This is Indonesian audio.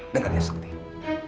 dengan yang seperti itu